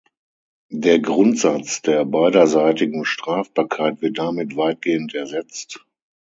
Der Grundsatz der beiderseitigen Strafbarkeit wird damit weitgehend ersetzt.